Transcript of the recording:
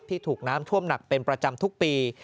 ถูกน้ำท่วมหนักเป็นประจำทุกปี